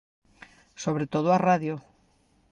Sobre todo a radio.